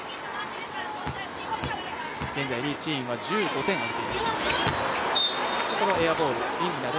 現在、リ・チインは１５点を挙げています。